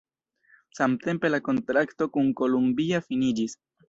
Samtempe la kontrakto kun Columbia finiĝis.